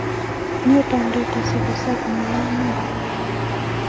nyoo toonde asikusob meng'ion